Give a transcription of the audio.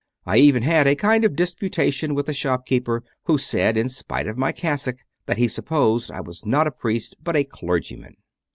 I even had a kind of disputation with a shopkeeper who said, in spite of my cassock, that he supposed I was not a priest, but a clergyman.